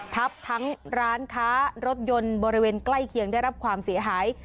ทับทั้งร้านค้ารถยนต์บริเวณใกล้เคียงได้รับความเสียหาย